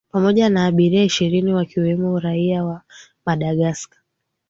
pamoja na abiria ishirini wakiwemo raia wa madagascar